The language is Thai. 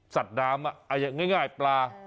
สัตว์ดามอ่ะง่ายปลา